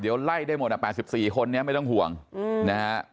เดี๋ยวไล่ได้หมดอ่ะ๘๔คนนี้ไม่ต้องห่วงนะฮะ